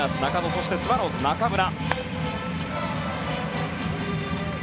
そして、スワローズの中村。